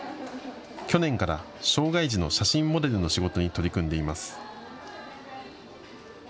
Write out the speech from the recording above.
去年から障害児の写真モデルの仕事に取り組んでいます。